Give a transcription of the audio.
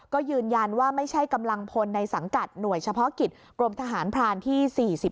ก็ยืนยันว่าไม่ใช่กำลังพลในสังกัดหน่วยเฉพาะกิจกรมทหารพรานที่๔๔